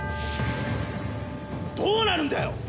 どうなるんだよ？